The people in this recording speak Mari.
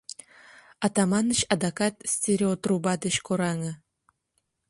Атаманыч адакат стереотруба деч кораҥе.